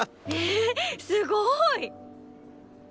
えすごい。